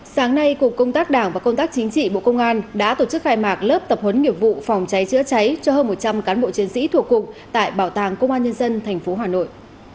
sáng nay cục công tác đảng và công tác chính trị bộ công an đã tổ chức khai mạc lớp tập huấn nghiệp vụ phòng cháy chữa cháy cho hơn một trăm linh cán bộ chiến sĩ thuộc cục tại bảo tàng công an nhân dân tp hà nội